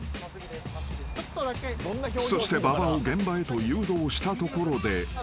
［そして馬場を現場へと誘導したところで］